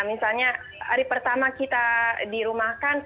misalnya hari pertama kita dirumahkan